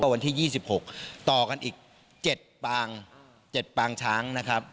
วันที่๒๖ต่อกันอีก๗ปาง๗ปางช้างนะครับ